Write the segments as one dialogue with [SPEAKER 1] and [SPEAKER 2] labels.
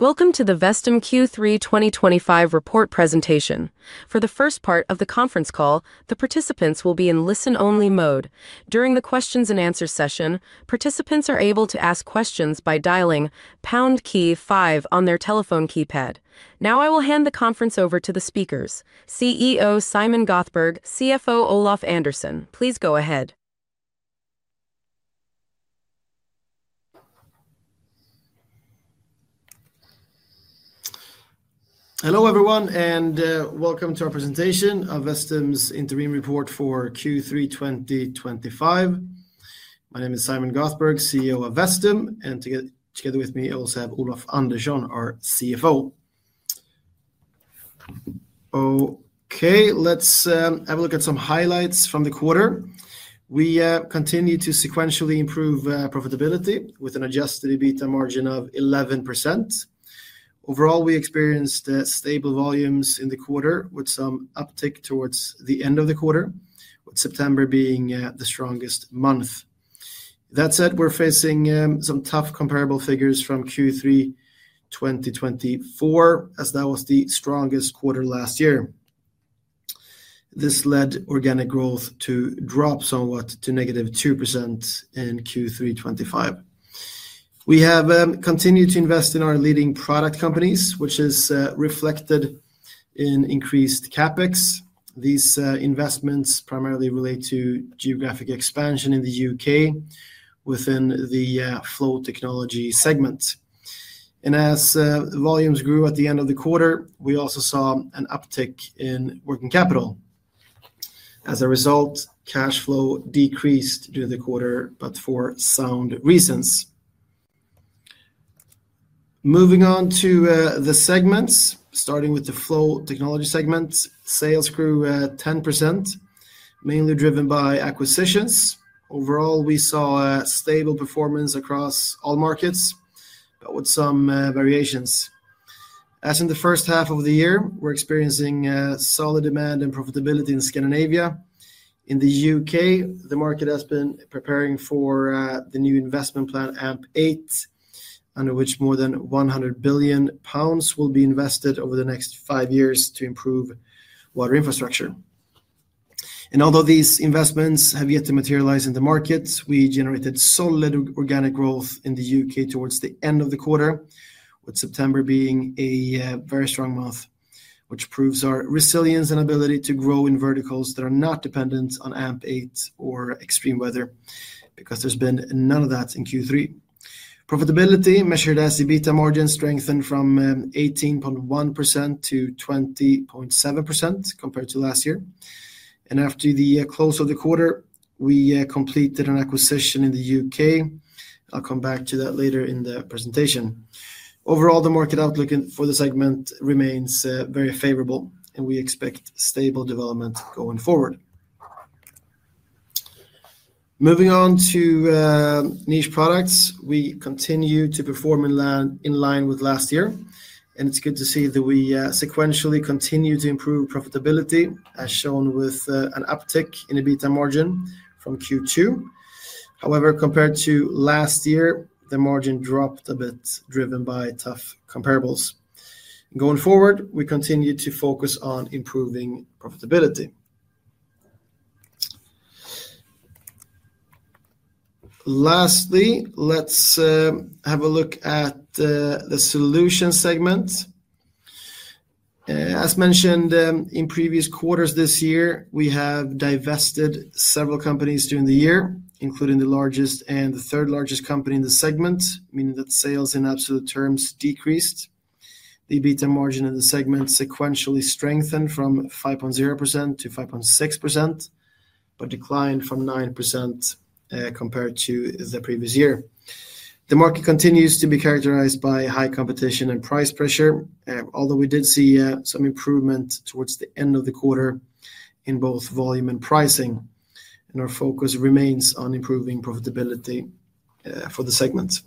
[SPEAKER 1] Welcome to the Vestum Q3 2025 report presentation. For the first part of the conference call, the participants will be in listen-only mode. During the questions and answers session, participants are able to ask questions by dialing #key-five on their telephone keypad. Now, I will hand the conference over to the speakers. CEO Simon Göthberg, CFO Olof Andersson, please go ahead.
[SPEAKER 2] Hello everyone, and welcome to our presentation of Vestum's interim report for Q3 2025. My name is Simon Göthberg, CEO of Vestum, and together with me, I also have Olof Andersson, our CFO. Okay, let's have a look at some highlights from the quarter. We continue to sequentially improve profitability with an adjusted EBITDA margin of 11%. Overall, we experienced stable volumes in the quarter with some uptick towards the end of the quarter, with September being the strongest month. That said, we're facing some tough comparable figures from Q3 2024, as that was the strongest quarter last year. This led organic growth to drop somewhat to -2% in Q3 2025. We have continued to invest in our leading product companies, which is reflected in increased CapEx. These investments primarily relate to geographic expansion in the U.K. within the Flow Technology segment. As volumes grew at the end of the quarter, we also saw an uptick in working capital. As a result, cash flow decreased during the quarter, but for sound reasons. Moving on to the segments, starting with the Flow Technology segment, sales grew 10%, mainly driven by acquisitions. Overall, we saw stable performance across all markets, but with some variations. As in the first half of the year, we're experiencing solid demand and profitability in Scandinavia. In the U.K., the market has been preparing for the new investment plan AMP8, under which more than 100 billion pounds will be invested over the next five years to improve water infrastructure. Although these investments have yet to materialize in the markets, we generated solid organic growth in the U.K. towards the end of the quarter, with September being a very strong month, which proves our resilience and ability to grow in verticals that are not dependent on AMP8 or extreme weather, because there's been none of that in Q3. Profitability measured as EBITDA margins strengthened from 18.1%-20.7% compared to last year. After the close of the quarter, we completed an acquisition in the U.K. I'll come back to that later in the presentation. Overall, the market outlook for the segment remains very favorable, and we expect stable development going forward. Moving on to Niche Products, we continue to perform in line with last year, and it's good to see that we sequentially continue to improve profitability, as shown with an uptick in EBITDA margin from Q2. However, compared to last year, the margin dropped a bit, driven by tough comparables. Going forward, we continue to focus on improving profitability. Lastly, let's have a look at the Solutions Segment. As mentioned in previous quarters this year, we have divested several companies during the year, including the largest and the third largest company in the segment, meaning that sales in absolute terms decreased. The EBITDA margin in the segment sequentially strengthened from 5.0%-5.6%, but declined from 9% compared to the previous year. The market continues to be characterized by high competition and price pressure, although we did see some improvement towards the end of the quarter in both volume and pricing, and our focus remains on improving profitability for the segment.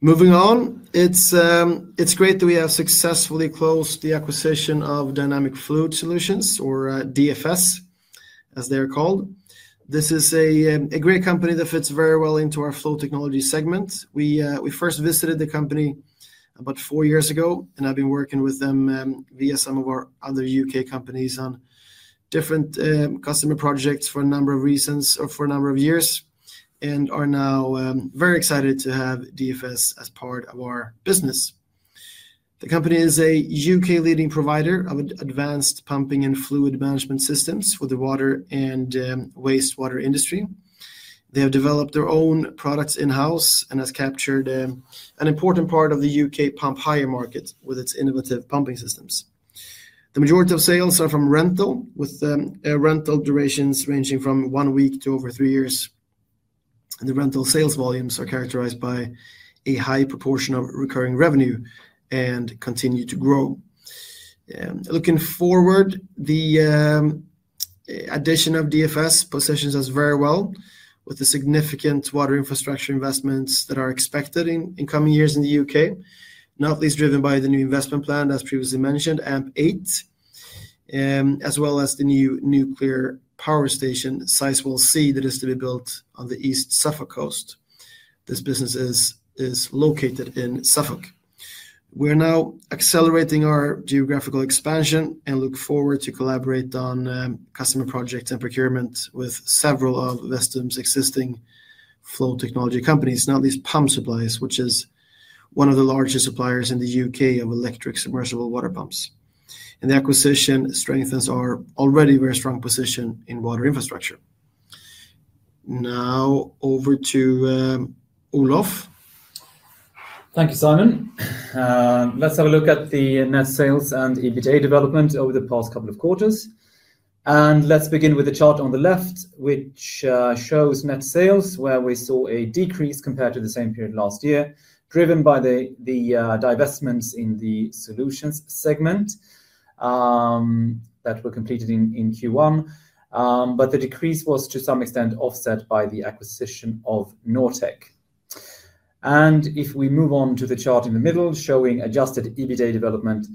[SPEAKER 2] Moving on, it's great that we have successfully closed the acquisition of Dynamic Fluid Solutions, or DFS, as they are called. This is a great company that fits very well into our Flow Technology segment. We first visited the company about four years ago, and I've been working with them via some of our other U.K. companies on different customer projects for a number of reasons or for a number of years, and are now very excited to have DFS as part of our business. The company is a U.K. leading provider of advanced pumping and fluid management systems for the water and wastewater industry. They have developed their own products in-house and have captured an important part of the U.K. pump hire market with its innovative pumping systems. The majority of sales are from rental, with rental durations ranging from one week to over three years. The rental sales volumes are characterized by a high proportion of recurring revenue and continue to grow. Looking forward, the addition of DFS positions us very well with the significant water infrastructure investments that are expected in coming years in the U.K., not least driven by the new investment plan, as previously mentioned, AMP8, as well as the new nuclear power station, Sizewell C, that is to be built on the East Suffolk Coast. This business is located in Suffolk. We're now accelerating our geographical expansion and look forward to collaborating on customer projects and procurement with several of Vestum's existing Flow Technology companies, not least Pump Supplies, which is one of the largest suppliers in the U.K. of electric submersible water pumps. The acquisition strengthens our already very strong position in water infrastructure. Now over to Olof.
[SPEAKER 3] Thank you, Simon. Let's have a look at the net sales and EBITDA development over the past couple of quarters. Let's begin with the chart on the left, which shows net sales where we saw a decrease compared to the same period last year, driven by the divestments in the Solutions Segment that were completed in Q1. The decrease was to some extent offset by the acquisition of Nortek. If we move on to the chart in the middle, showing adjusted EBITDA development,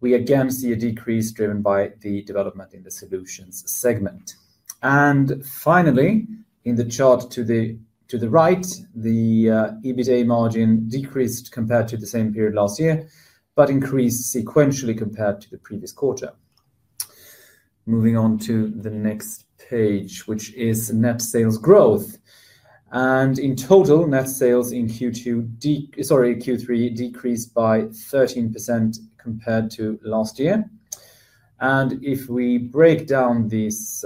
[SPEAKER 3] we again see a decrease driven by the development in the Solutions Segment. Finally, in the chart to the right, the EBITDA margin decreased compared to the same period last year, but increased sequentially compared to the previous quarter. Moving on to the next page, which is net sales growth. In total, net sales in Q2 decreased by 13% compared to last year. If we break down this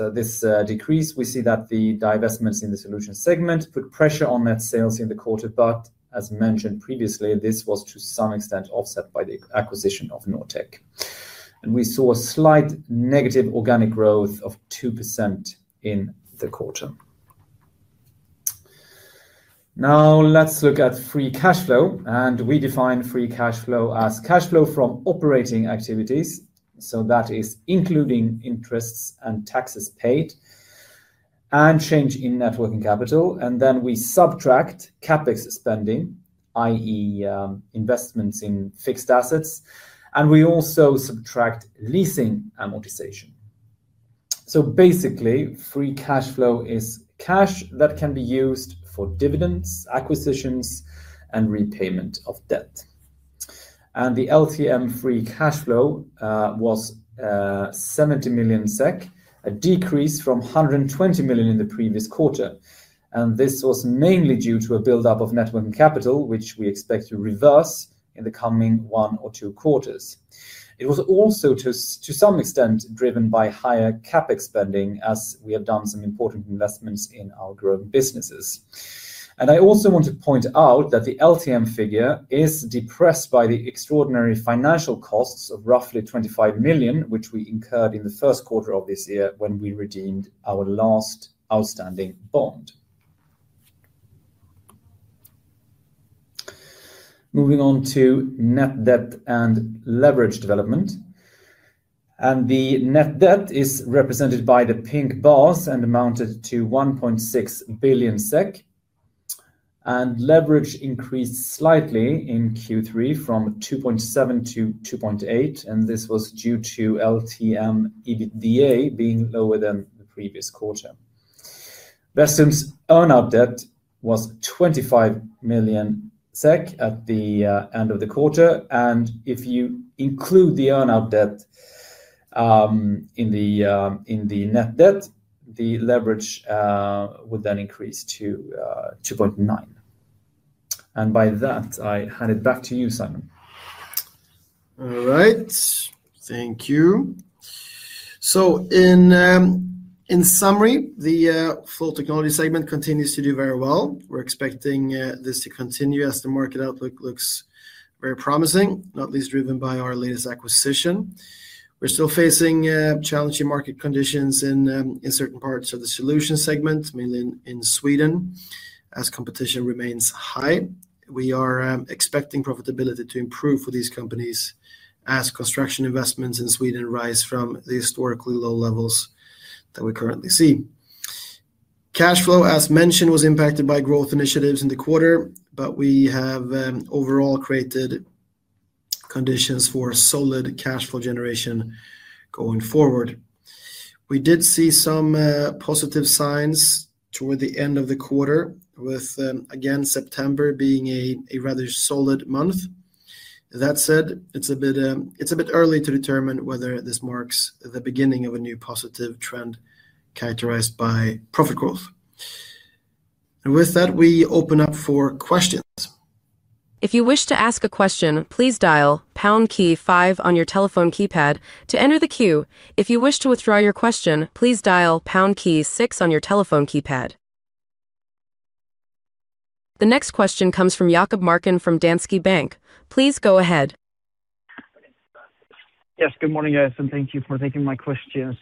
[SPEAKER 3] decrease, we see that the divestments in the Solutions Segment put pressure on net sales in the quarter, but as mentioned previously, this was to some extent offset by the acquisition of Nortek. We saw a slight negative organic growth of 2% in the quarter. Now let's look at free cash flow. We define free cash flow as cash flow from operating activities, so that is including interests and taxes paid and change in working capital. Then we subtract CapEx spending, i.e. investments in fixed assets, and we also subtract leasing amortization. Basically, free cash flow is cash that can be used for dividends, acquisitions, and repayment of debt. The LTM free cash flow was 70 million SEK, a decrease from 120 million in the previous quarter. This was mainly due to a buildup of working capital, which we expect to reverse in the coming one or two quarters. It was also to some extent driven by higher CapEx spending, as we have done some important investments in our growing businesses. I also want to point out that the LTM figure is depressed by the extraordinary financial costs of roughly 25 million, which we incurred in the first quarter of this year when we redeemed our last outstanding bond. Moving on to net debt and leverage development. The net debt is represented by the pink bars and amounted to 1.6 billion SEK. Leverage increased slightly in Q3 from 2.7-2.8, and this was due to LTM EBITDA being lower than the previous quarter. Vestum's earnout debt was 25 million SEK at the end of the quarter, and if you include the earnout debt in the net debt, the leverage would then increase to 2.9. By that, I hand it back to you, Simon.
[SPEAKER 2] All right, thank you. In summary, the Flow Technology segment continues to do very well. We're expecting this to continue as the market outlook looks very promising, not least driven by our latest acquisition. We're still facing challenging market conditions in certain parts of the Solutions Segment, mainly in Sweden, as competition remains high. We are expecting profitability to improve for these companies as construction investments in Sweden rise from the historically low levels that we currently see. Cash flow, as mentioned, was impacted by growth initiatives in the quarter, but we have overall created conditions for solid cash flow generation going forward. We did see some positive signs toward the end of the quarter, with again September being a rather solid month. That said, it's a bit early to determine whether this marks the beginning of a new positive trend characterized by profit growth. With that, we open up for questions.
[SPEAKER 1] If you wish to ask a question, please dial #key- five on your telephone keypad to enter the queue. If you wish to withdraw your question, please dial #key-six on your telephone keypad. The next question comes from Jakob Marken from Danske Bank. Please go ahead.
[SPEAKER 4] Yes, good morning guys, and thank you for taking my questions.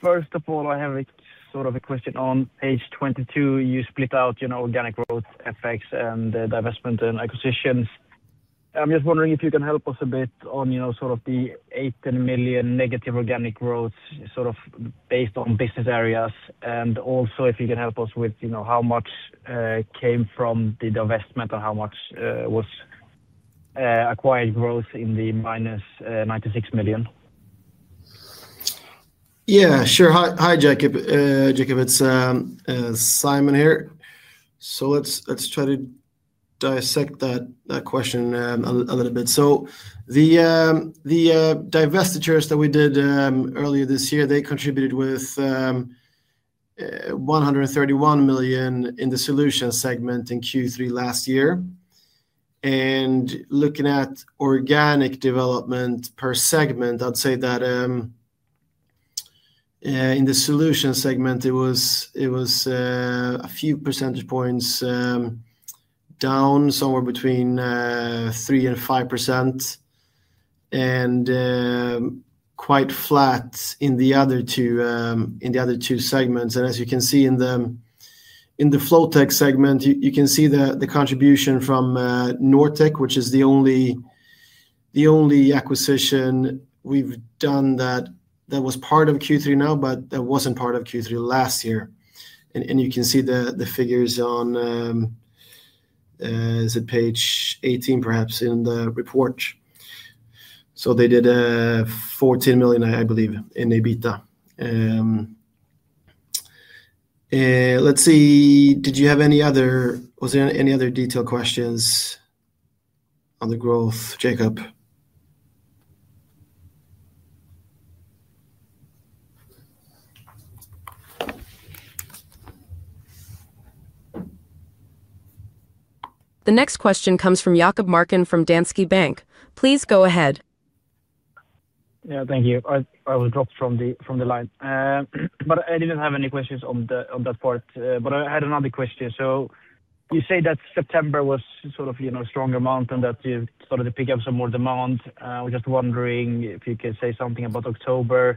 [SPEAKER 4] First of all, I have a sort of a question on page 22. You split out organic growth, FX, and divestment and acquisitions. I'm just wondering if you can help us a bit on sort of the 18 million negative organic growth, based on business areas, and also if you can help us with how much came from the divestment and how much was acquired growth in the -96 million.
[SPEAKER 2] Yeah, sure. Hi Jakob, it's Simon here. Let's try to dissect that question a little bit. The divestitures that we did earlier this year contributed with 131 million in the Solutions Segment in Q3 last year. Looking at organic development per segment, I'd say that in the Solutions Segment, it was a few percentage points down, somewhere between 3% and 5%, and quite flat in the other two segments. In the Flow Technology segment, you can see the contribution from Nortek, which is the only acquisition we've done that was part of Q3 now, but that wasn't part of Q3 last year. You can see the figures on, is it page 18 perhaps, in the report. They did 14 million, I believe, in EBITDA. Did you have any other, was there any other detailed questions on the growth, Jakob?
[SPEAKER 1] The next question comes from Jakob Marken from Danske Bank. Please go ahead. Thank you. I was dropped from the line. I didn't have any questions on that part. I had another question. You say that September was sort of a stronger month and that you started to pick up some more demand. I was just wondering if you could say something about October.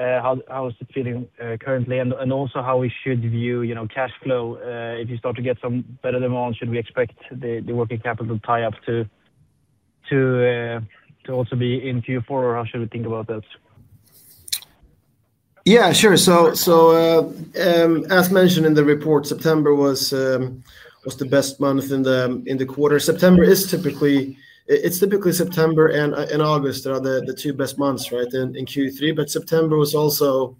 [SPEAKER 1] How is it feeling currently? Also, how should we view cash flow? If you start to get some better demand, should we expect the working capital to tie up to also be in Q4? How should we think about that?
[SPEAKER 2] Yeah, sure. As mentioned in the report, September was the best month in the quarter. September is typically, it's typically September and August are the two best months, right, in Q3. September was also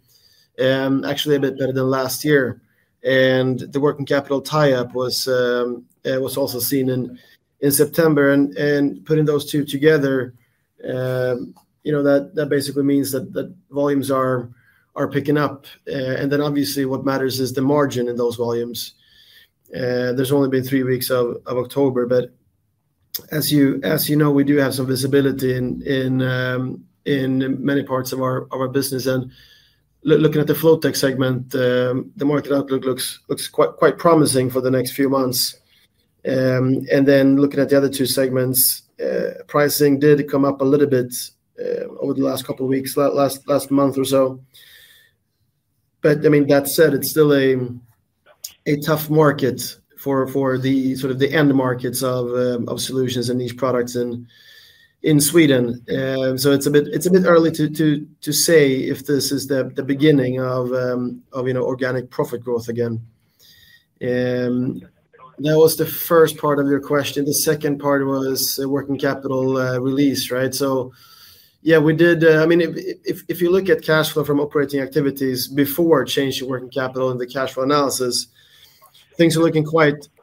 [SPEAKER 2] actually a bit better than last year. The working capital tie-up was also seen in September. Putting those two together, you know that basically means that volumes are picking up. Obviously what matters is the margin in those volumes. There's only been three weeks of October. As you know, we do have some visibility in many parts of our business. Looking at the Flow Technology segment, the market outlook looks quite promising for the next few months. Looking at the other two segments, pricing did come up a little bit over the last couple of weeks, last month or so. That said, it's still a tough market for the sort of the end markets of Solutions and Niche Products in Sweden. It's a bit early to say if this is the beginning of organic profit growth again. That was the first part of your question. The second part was working capital release, right? If you look at cash flow from operating activities before changing working capital in the cash flow analysis, things are looking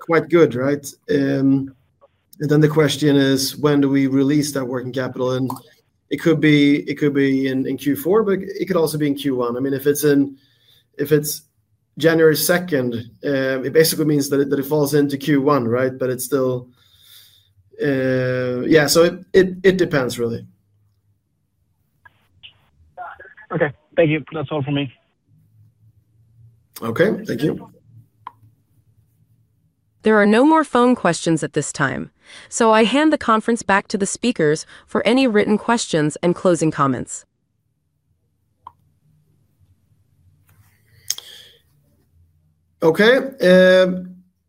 [SPEAKER 2] quite good, right? The question is, when do we release that working capital? It could be in Q4, but it could also be in Q1. If it's January 2, it basically means that it falls into Q1, right? It depends really.
[SPEAKER 4] Okay, thank you. That's all for me.
[SPEAKER 2] Okay, thank you.
[SPEAKER 1] There are no more phone questions at this time. I hand the conference back to the speakers for any written questions and closing comments.
[SPEAKER 2] Okay,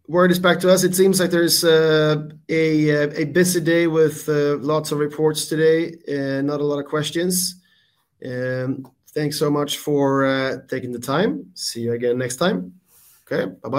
[SPEAKER 2] word is back to us. It seems like there's a busy day with lots of reports today and not a lot of questions. Thanks so much for taking the time. See you again next time. Okay, bye-bye.